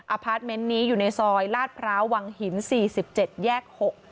พาร์ทเมนต์นี้อยู่ในซอยลาดพร้าววังหิน๔๗แยก๖